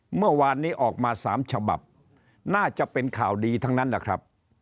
เมื่อวานนี้ออกมา๓ฉบับน่าจะเป็นข่าวดีทั้งนั้นแหละครับ